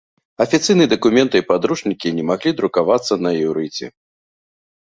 Афіцыйныя дакументы і падручнікі не маглі друкавацца на іўрыце.